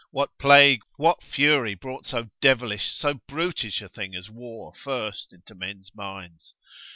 what plague, what fury brought so devilish, so brutish a thing as war first into men's minds?